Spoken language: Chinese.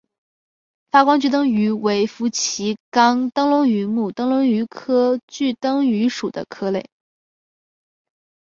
发光炬灯鱼为辐鳍鱼纲灯笼鱼目灯笼鱼科炬灯鱼属的鱼类。